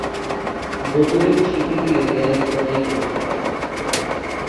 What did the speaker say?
বোতলের ছিপি দিয়ে দেয়ালে খোদাই করেছিলাম।